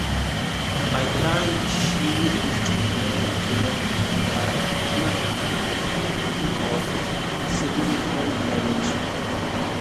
By the time she reached medical care, the hematoma had already caused significant damage.